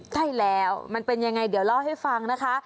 ใช่แล้วมันเป็นยังไงเดี๋ยวเล่าให้ฟังนะคะ